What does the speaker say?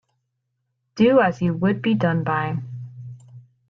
Do as you would be done by.